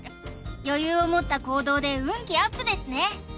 余裕をもった行動で運気アップですね